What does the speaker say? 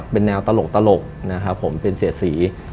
เป็นแนวตลกนะครับผมเป็นเสียดสี